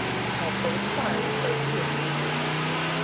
Because there was a fire in both rooms.